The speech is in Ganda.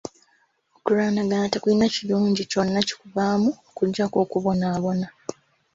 Okulwanagana tekulina kirungi kyonna kikuvaamu okuggyako okubonaabona.